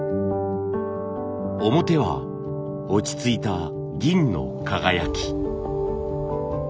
表は落ち着いた銀の輝き。